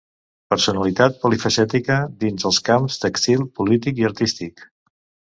Personalitat polifacètica dins els camps tèxtil, polític i artístic.